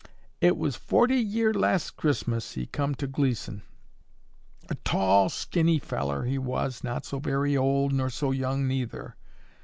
It was forty year last Christmas he come to Gleeson. A tall, skinny fellar he was, not so very old nor so young neither.